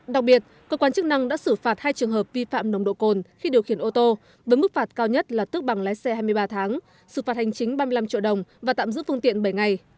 đặc biệt cơ quan chức năng đã xử phạt hai trường hợp vi phạm nồng độ cồn khi điều khiển ô tô với mức phạt cao nhất là tức bằng lái xe hai mươi ba tháng xử phạt hành chính ba mươi năm triệu đồng và tạm giữ phương tiện bảy ngày